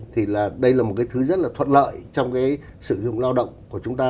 thì đây là một cái thứ rất là thuận lợi trong cái sử dụng lao động của chúng ta